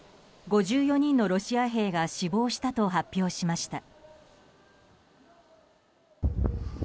５４人のロシア兵が死亡したと発表しました。